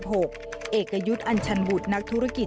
โปรดติดตามต่อไป